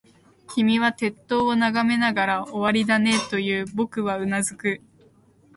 君は鉄塔を眺めながら、終わりだね、と言う。僕はうなずく。